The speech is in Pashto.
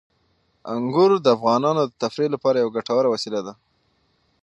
انګور د افغانانو د تفریح لپاره یوه ګټوره وسیله ده.